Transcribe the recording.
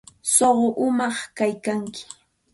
Suqu umañaq kaykanki.